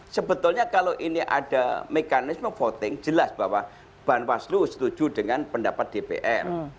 sebetulnya kalau ini ada mekanisme voting jelas bahwa banwaslu setuju dengan pendapat dpr